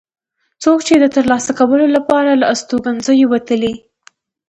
څوک چې د ترلاسه کولو لپاره له استوګنځیو وتلي.